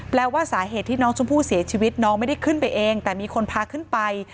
แปลว่าสาเหตุที่น้องชมพู่เสียชีวิตน้องไม่ได้ขึ้นไปเองแต่มีคนพาขึ้นไป